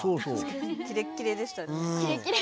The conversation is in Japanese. キレッキレでしたね。